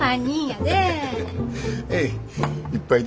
えっ！